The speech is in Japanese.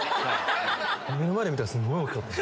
目の前で見たらすんごい大きかった。